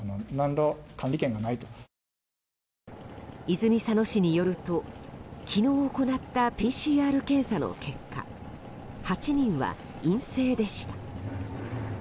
泉佐野市によると昨日行ったＰＣＲ検査の結果８人は陰性でした。